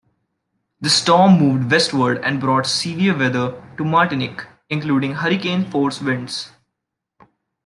The storm moved westward and brought severe weather to Martinique, including hurricane-force winds.